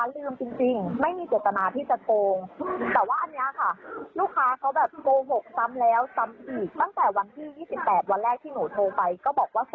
แล้วก็ลบไปอีก๓๐๐ก็คือค่าที่เป็นค่ามัดจำที่เขาขัดมาค่ะ